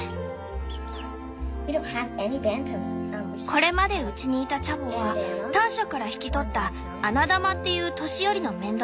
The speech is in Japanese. これまでうちにいたチャボはターシャから引き取った「アナダマ」っていう年寄りの雌鶏だけ。